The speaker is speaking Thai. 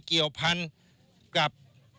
เกี่ยวพันกับ